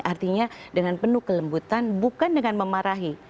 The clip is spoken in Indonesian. artinya dengan penuh kelembutan bukan dengan memarahi